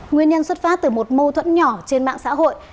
nguyên nhân xuất phát từ một mâu thuẫn nhỏ trên mạng xã hội